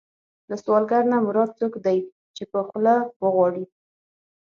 له سوالګر نه مراد څوک دی چې په خوله وغواړي.